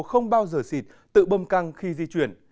không bao giờ xịt tự bâm căng khi di chuyển